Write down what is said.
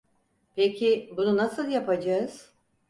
Peki bunu nasıl yapacağız?